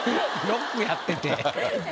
ロックやってて。